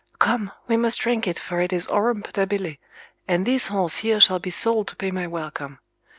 Come, we must drink it, for it is aurum potabile, and this horse here shall be sold to pay my welcome.